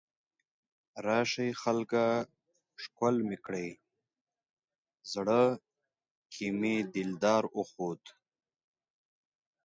راشئ خلکه ښکل مې کړئ، زړه کې مې دلدار اوخوت